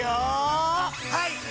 はい！